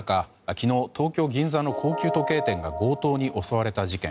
昨日、東京・銀座の高級時計店が強盗に襲われた事件。